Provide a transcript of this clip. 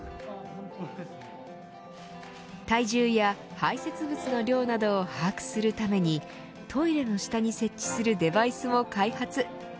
体重や排泄物の量などを把握するためにトイレの下に設置するデバイスも開発。